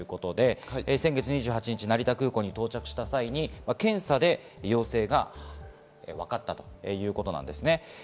先月２８日成田空港に到着した際に検査で陽性が分かったということです。